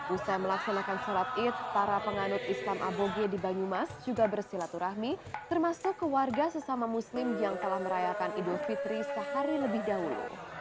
usai melaksanakan sholat id para penganut islam aboge di banyumas juga bersilaturahmi termasuk warga sesama muslim yang telah merayakan idul fitri sehari lebih dahulu